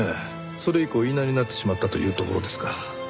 それ以降言いなりになってしまったというところですか。